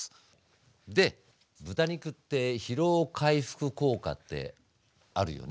で豚肉って疲労回復効果ってあるよね？